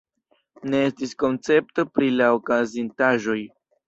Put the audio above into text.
Ne estis koncepto pri la okazintaĵoj.